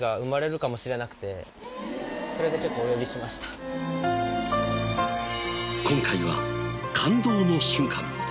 実は今回は感動の瞬間。